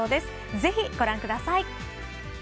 ぜひご覧ください。